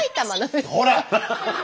ほら！